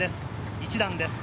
１弾です。